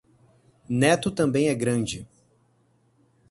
Neto também é grande